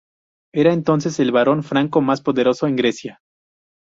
Era entonces el barón franco más poderoso en Grecia.